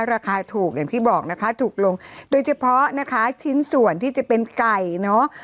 ราคาถูกอย่างที่บอกนะคะถูกลงโดยเฉพาะนะคะชิ้นส่วนที่จะเป็นไก่เนอะ